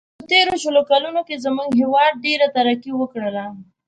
په تېرو شلو کلونو کې زموږ هیواد ډېره ترقي و کړله.